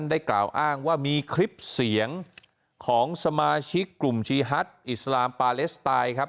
ได้กล่าวอ้างว่ามีคลิปเสียงของสมาชิกกลุ่มชีฮัทอิสลามปาเลสไตล์ครับ